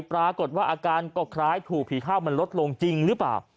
ปรากฏว่าอาการก็คล้ายถูกผีเข้ามันลดลงจริงหรือเปล่า